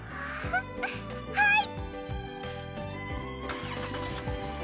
はい！